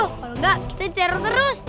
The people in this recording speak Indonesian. kalau enggak kita diteror terus